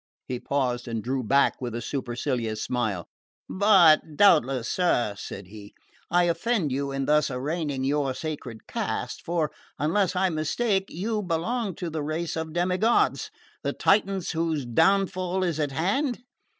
He paused and drew back with a supercilious smile. "But doubtless, sir," said he, "I offend you in thus arraigning your sacred caste; for unless I mistake you belong to the race of demi gods the Titans whose downfall is at hand?"